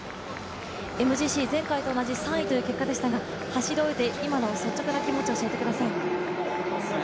ＭＧＣ、前回と同じ３位という結果でしたが、走り終えて今の率直な気持ちを教えてください。